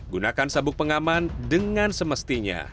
gunakan sabuk pengaman dengan semestinya